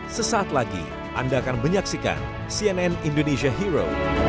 sesaat lagi anda akan menyaksikan cnn indonesia hero